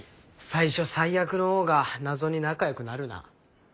最初最悪の方が謎に仲よくなるな。